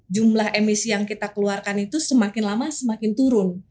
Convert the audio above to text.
jumlah emisi yang kita keluarkan itu semakin lama semakin turun